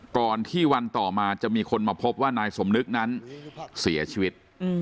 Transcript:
ก่อนที่วันต่อมาจะมีคนมาพบว่านายสมนึกนั้นเสียชีวิต